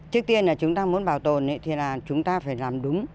trước tiên là chúng ta muốn bảo tồn thì là chúng ta phải làm đúng